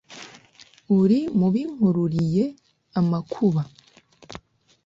uri mu binkururiye amakuba